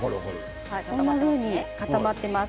こんなふうに固まっています。